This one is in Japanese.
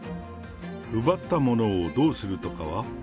奪ったものをどうするとかは？